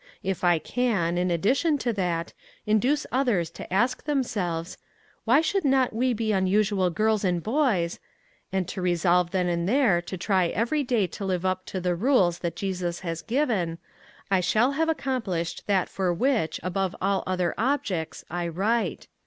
If I can, in addition to that, induce others to ask them selves, " Why should not we be unusual girls and boys ?" and to resolve then and there, to try every day to live up to the rules that Jesus has given, I shall have accomplished that for which, above all other objects, I write.